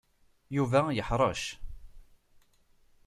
Yuba yeḥṛec.